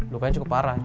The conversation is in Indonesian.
lupa yang cukup parah